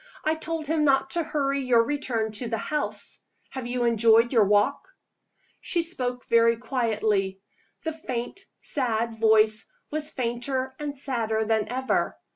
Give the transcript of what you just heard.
"I told him not to hurry your return to the house. Have you enjoyed your walk?" She spoke very quietly. The faint, sad voice was fainter and sadder than ever.